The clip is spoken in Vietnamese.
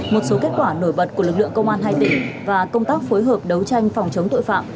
một số kết quả nổi bật của lực lượng công an hai tỉnh và công tác phối hợp đấu tranh phòng chống tội phạm